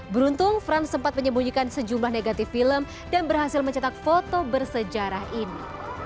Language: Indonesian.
beruntung frans sempat menyembunyikan sejumlah negatif film dan berhasil mencetak foto bersejarah ini